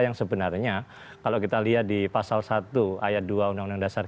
yang sebenarnya kalau kita lihat di pasal satu ayat dua undang undang dasar